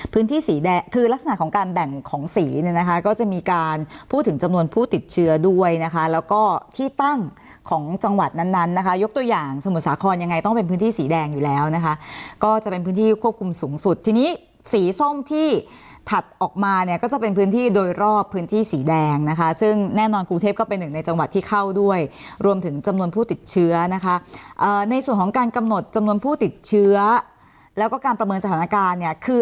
พื้นที่สีแดงคือลักษณะของการแบ่งของสีเนี่ยนะคะก็จะมีการพูดถึงจำนวนผู้ติดเชื้อด้วยนะคะแล้วก็ที่ตั้งของจังหวัดนั้นนะคะยกตัวอย่างสมุทรสาครยังไงต้องเป็นพื้นที่สีแดงอยู่แล้วนะคะก็จะเป็นพื้นที่ควบคุมสูงสุดทีนี้สีส้มที่ถัดออกมาเนี่ยก็จะเป็นพื้นที่โดยรอบพื้นที่สีแดงนะคะซึ่งแน่นอนกร